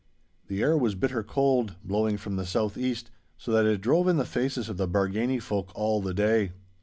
The air was bitter cold, blowing from the south east, so that it drove in the faces of the Bargany folk all the day.